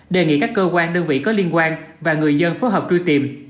đề nghị các cơ quan đơn vị có liên quan và người dân phối hợp truy tìm